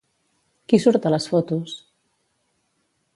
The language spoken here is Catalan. Qui surt a les fotos?